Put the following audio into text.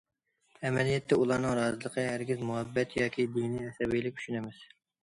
ئەمەلىيەتتە، ئۇلارنىڭ رازىلىقى ھەرگىز مۇھەببەت ياكى دىنىي ئەسەبىيلىك ئۈچۈن ئەمەس.